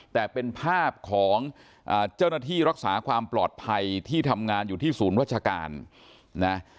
แต่เป็นภาพของเจ้าหน้าที่รักษาความปลอดภัยที่ทำงานอยู่ที่ศูนย์วัชการนะ